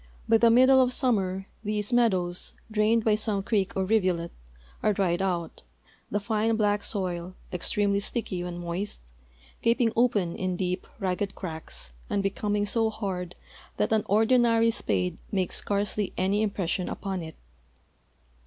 By the middle of summer these meadows, drained by some creek or rivulet, are dried out, the fine black soil, extremel}'' sticky when moist, gap ing open in deep, ragged cracks and becoming so hard that an ordinary spade makes scarcely any impression upon it.